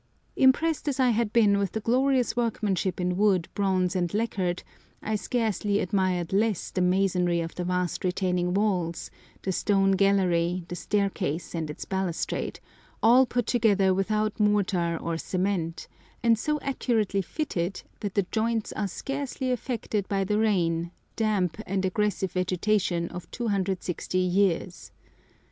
Impressed as I had been with the glorious workmanship in wood, bronze, and lacquer, I scarcely admired less the masonry of the vast retaining walls, the stone gallery, the staircase and its balustrade, all put together without mortar or cement, and so accurately fitted that the joints are scarcely affected by the rain, damp, and aggressive vegetation of 260 years.